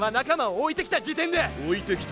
置いてきた？